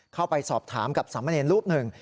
เข้าไปสอบถามกับสามเณรรูปหนึ่ง